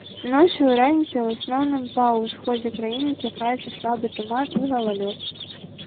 Ноччу і раніцай у асноўным па ўсходзе краіны чакаецца слабы туман і галалёд.